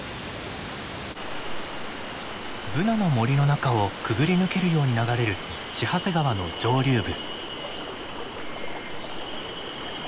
ブナの森の中をくぐり抜けるように流れる千走川の上流部。